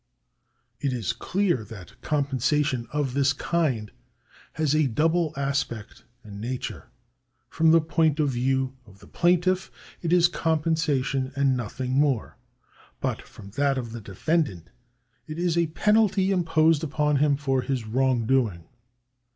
It is clear that compensation of this kind has a double aspect and nature ; from the point of view of the plaintiff it is compen sation and nothing more, but from that of the defendant it is a penalty imposed upon him for his wrongdoing.